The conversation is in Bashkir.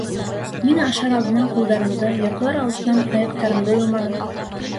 Ниңә ашар алдынан ҡулдарымды, йоҡлар алдынан аяҡтарымды йыуманым?